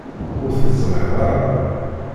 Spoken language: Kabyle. Ur t-ẓriɣ ara.